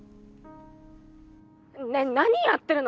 ねっ何やってるの？